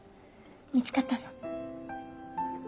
見つかったの？